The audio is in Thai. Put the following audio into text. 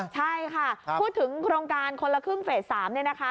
ใช่ค่ะพูดถึงโครงการคนละครึ่งเฟส๓เนี่ยนะคะ